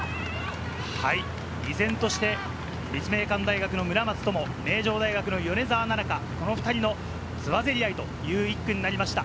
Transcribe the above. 依然として立命館大学の村松灯、名城大学の米澤奈々香、この２人のつばぜり合いという１区になりました。